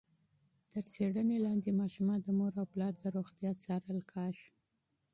تر څېړنې لاندې ماشومان د مور او پلار د روغتیا څارل کېږي.